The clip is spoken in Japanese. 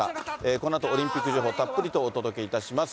このあとオリンピック情報、たっぷりとお届けいたします。